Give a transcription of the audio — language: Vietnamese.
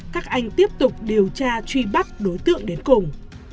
các anh tiếp tục điều tra truy bắt đối tượng đến cùng